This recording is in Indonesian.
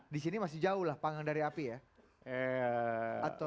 di sini masih jauh lah panggang dari api ya